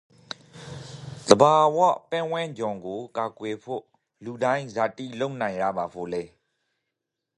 သဘာဝပတ်ဝန်းကျင်ကိုကာကွယ်ဖို့လူတိုင်းဇာတိ လုပ်နိုင်ရပါဖို့လဲ?